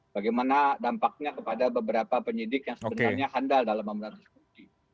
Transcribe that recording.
bagaimana dampaknya kepada beberapa penyidik yang sebenarnya handal dalam pemberantas korupsi